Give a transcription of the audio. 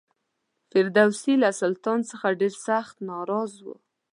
فردوسي له سلطان څخه ډېر سخت ناراض و.